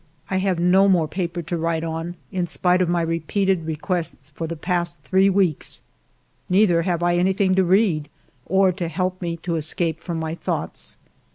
I have no more paper to write on, in spite of my repeated re quests for the past three weeks. Neither have I anything to read, or to help me to escape from my thoughts.